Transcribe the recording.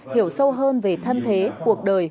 hiểu sâu hơn về thân thế cuộc đời